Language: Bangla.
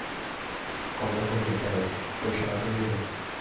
কমলা কহিল, কেন, ঐ সরাতেই হইবে।